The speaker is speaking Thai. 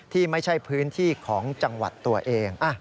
ที่ไม่ใช่พื้นที่ของจังหวัดตัวเอง